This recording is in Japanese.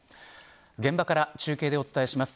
現場から中継でお伝えします。